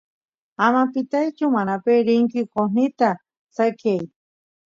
ama pitaychu manape rinki qosnita sekyay